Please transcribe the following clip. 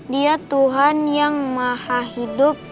dia tuhan yang maha hidup